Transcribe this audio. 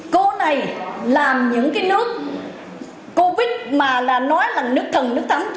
cô này làm những cái nước covid mà là nói là nước thần nước tắm